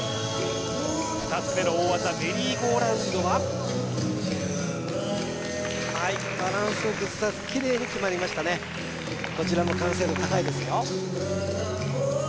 ２つ目の大技メリーゴーラウンドははいバランスよくキレイに決まりましたねこちらも完成度高いですよ